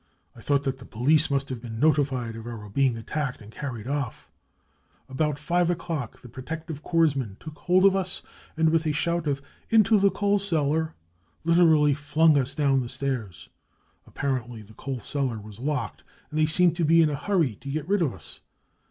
I thought that the police must have been notified of our being attacked and carried off. About 5 o'clock the protective corps men took hold of us and with a shoift of £ Into the coal cellar I ' literally flung us down the BRUTALITY AND TORTURE 21 1 stairs. Apparently the coal cellar was locked, and they seemed to be in a hurry to get rid of us.